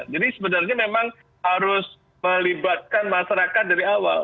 jadi sebenarnya memang harus melibatkan masyarakat dari awal